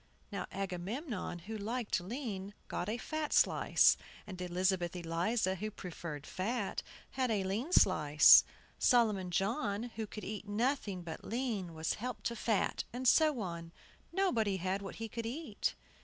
Now Agamemnon, who liked lean, got a fat slice; and Elizabeth Eliza, who preferred fat, had a lean slice. Solomon John, who could eat nothing but lean, was helped to fat, and so on. Nobody had what he could eat.